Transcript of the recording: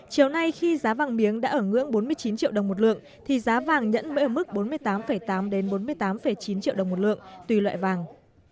chiều nay khi giá vàng miếng đã ở ngưỡng bốn mươi chín triệu đồng một lượng thì giá vàng nhẫn mới ở mức bốn mươi tám tám bốn mươi tám chín triệu đồng một lượng tùy loại vàng